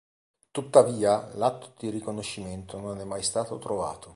Tuttavia l'atto di riconoscimento non è mai stato trovato.